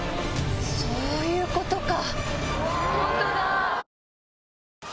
そういうことか！